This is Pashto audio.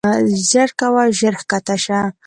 ژر کوه ژر کښته شه.